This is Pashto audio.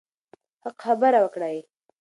حق خبره وکړئ.